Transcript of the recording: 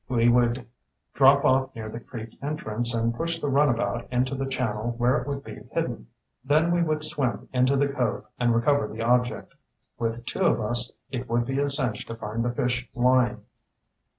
We would drop off near the creek entrance and push the runabout into the channel where it would be hidden. Then we would swim into the cove and recover the object. With two of us, it would be a cinch to find the fish line."